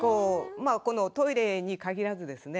トイレに限らずですね